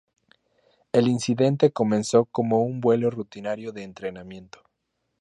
El incidente comenzó como un vuelo rutinario de entrenamiento.